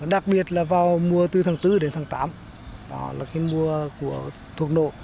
đặc biệt là vào mùa từ tháng bốn đến tháng tám đó là khi mùa của thuốc nổ